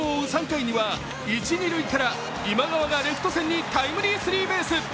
３回には一・二塁から今川がレフト線にタイムリースリーベース。